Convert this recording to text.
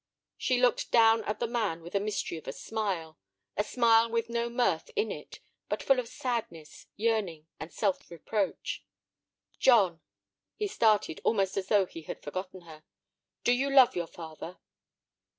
She looked down at the man with a mystery of a smile—a smile with no mirth in it, but full of sadness, yearning, and self reproach. "John." He started, almost as though he had forgotten her. "Do you love your father?"